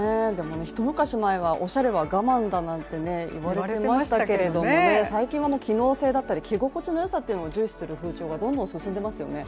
一昔前はおしゃれは我慢だなんていわれてましたけど最近は機能性だったり、着心地のよさを重視する風潮がどんどん進んでいますよね。